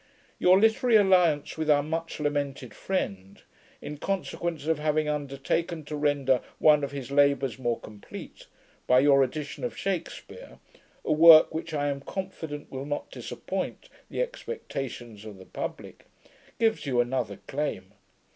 Your literary alliance with our much lamented friend, in consequence of having undertaken to render one of his labours more complete, by your edition of Shakespeare, a work which I am confident will not disappoint the expectations of the publick, gives you another claim.